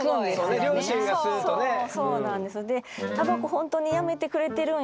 そうそうなんです。